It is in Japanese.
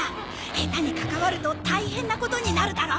下手に関わると大変なことになるだろ。